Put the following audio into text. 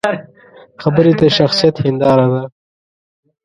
خبرې د شخصیت هنداره ده